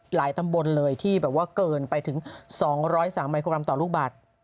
ตำบลเลยที่แบบว่าเกินไปถึง๒๐๓มิโครกรัมต่อลูกบาท